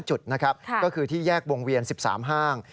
จุดนะครับก็คือที่แยกวงเวียน๑๓ห้าง